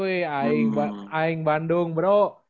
wih aing bandung bro